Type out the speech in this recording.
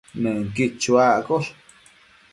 Nënquid chuaccosh